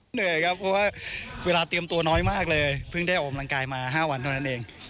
เหนื่อยครับเพราะว่าเวลาเตรียมตัวน้อยมากเลยเพิ่งได้ออกกำลังกายมา๕วันเท่านั้นเอง